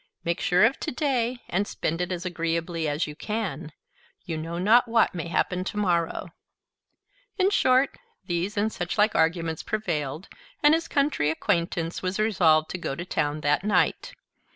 Make sure of to day, and spend it as agreeably as you can: you know not what may happen to morrow." In short, these and such like arguments prevailed, and his Country Acquaintance was resolved to go to town that night.